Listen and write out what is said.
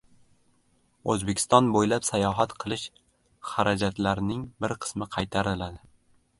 O‘zbekiston bo‘ylab sayohat qilish xarajatlarning bir qismi qaytariladi